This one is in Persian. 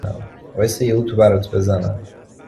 وایسا یه اتو برات بزنم